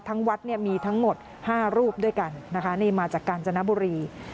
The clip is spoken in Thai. วัดเนี่ยมีทั้งหมด๕รูปด้วยกันนะคะนี่มาจากกาญจนบุรี